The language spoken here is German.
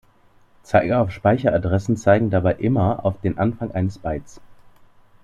Zeiger auf Speicheradressen zeigen dabei immer auf den Anfang eines Bytes.